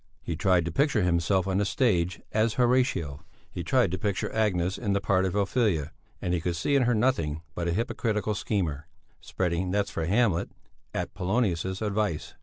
He tried to picture himself on the stage as Horatio; he tried to picture Agnes in the part of Ophelia, and could see in her nothing but a hypocritical schemer, spreading nets for Hamlet at Polonius's advice.